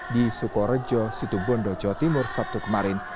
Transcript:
di sukorejo situbondo jawa timur sabtu kemarin